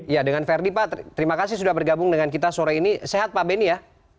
ya dengan verdi pak terima kasih sudah bergabung dengan kita sore ini sehat pak beni ya